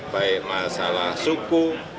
baik masalah suku